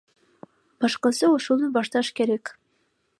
Башкысы ошону башташ керек.